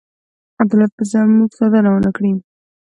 عدالت به زموږ ساتنه ونه کړي.